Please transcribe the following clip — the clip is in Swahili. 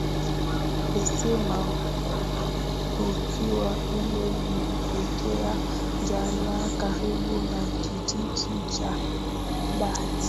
esema tukio hilo limetokea jana karibu na kijiji cha thabaab